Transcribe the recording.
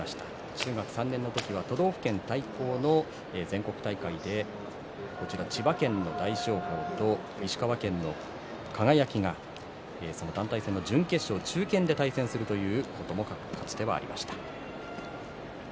中学３年の時は都道府県対抗の全国大会で千葉県の大翔鵬と石川県の輝が団体戦の準決勝中堅で対戦するという一番がありました。